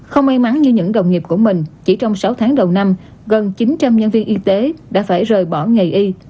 không may mắn như những đồng nghiệp của mình chỉ trong sáu tháng đầu năm gần chín trăm linh nhân viên y tế đã phải rời bỏ nghề y